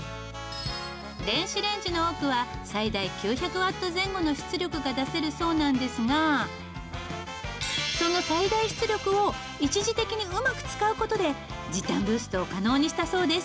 電子レンジの多くは最大９００ワット前後の出力が出せるそうなんですがその最大出力を一時的にうまく使う事で時短ブーストを可能にしたそうです。